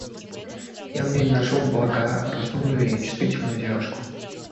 Я в ней нашел благоразумную и чувствительную девушку.